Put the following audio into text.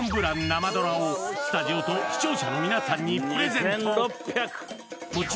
生どらをスタジオと視聴者の皆さんにプレゼント